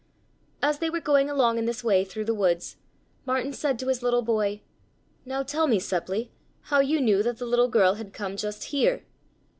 As they were going along in this way through the woods, Martin said to his little boy: "Now tell me, Seppli, how you knew that the little girl had come just here?"